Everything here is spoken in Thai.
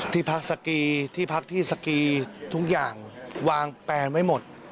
ที่พักสกีที่พักที่สกีทุกอย่างวางแปนไว้หมด